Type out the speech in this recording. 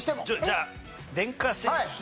じゃあ電化製品。